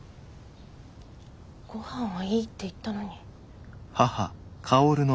ごはんはいいって言ったのに。